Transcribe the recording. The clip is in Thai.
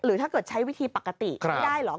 หรือถ้าเกิดใช้วิธีปกติได้หรอก